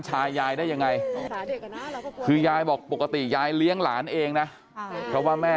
ยายได้ยังไงคือยายบอกปกติยายเลี้ยงหลานเองนะเพราะว่าแม่